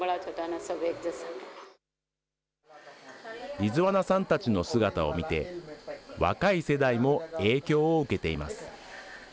リズワナさんたちの姿を見て、若い世代も影響を受けています。